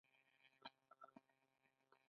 د غالیو صادرات ډیر عاید لري.